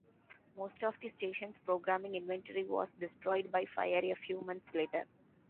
Most of the station's programming inventory was destroyed by fire a few months later.